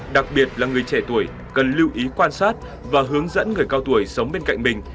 đặc biệt là người trẻ tuổi cần lưu ý quan sát và hướng dẫn người cao tuổi sống bên cạnh mình